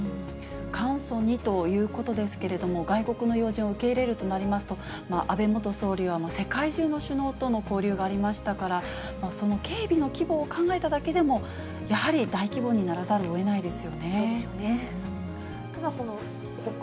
簡素にということですけれども、外国の要人を受け入れるとなりますと、安倍元総理は世界中の首脳との交流がありましたから、その警備の規模を考えただけでも、やはり大規模にならざるをえないですよね。